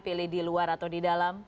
pilih di luar atau di dalam